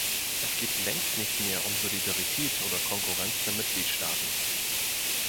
Es geht längst nicht mehr um Solidarität oder Konkurrenz der Mitgliedstaaten.